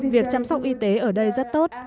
việc chăm sóc y tế ở đây rất tốt